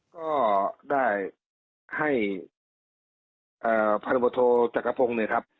ก็ได้ให้พันธบทโทจักรพงศ์เนี่ยครับ